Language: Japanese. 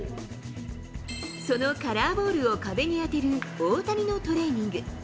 そのカラーボールを壁に当てる大谷のトレーニング。